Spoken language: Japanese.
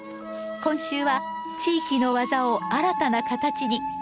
今週は地域の技を新たな形に。